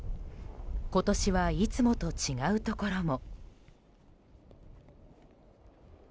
今年はいつもと違うところも。